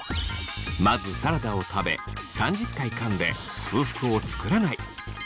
まずサラダを食べ３０回かんで空腹を作らない。